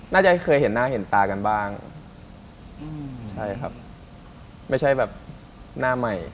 ก็จะเคยเห็นหน้าเห็นตากันบ้างไม่ใช่แบบหน้าใหม่